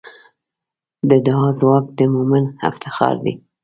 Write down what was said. د دعا ځواک د مؤمن افتخار دی.